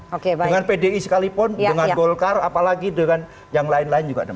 dengan pdi sekalipun dengan golkar apalagi dengan yang lain lain juga